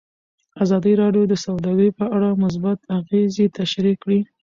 ازادي راډیو د سوداګري په اړه مثبت اغېزې تشریح کړي.